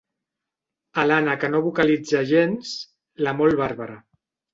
Alana que no vocalitza gens, la molt bàrbara.